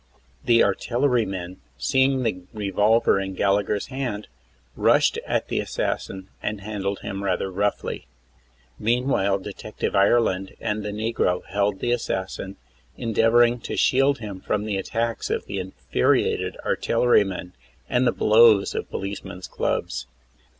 The artillerymen, seeing the revolver in Gallagher's hand, rushed at the assassin and handled him. rather roughly. Meanwhile Detective Ireland and the negro held the assassin, endeavoring to shield him from the attacks of the infuriated artillerymen and the blows of the policemen's clubs.